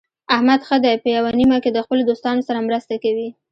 احمد ښه دی په یوه نیمه کې د خپلو دوستانو سره مرسته کوي.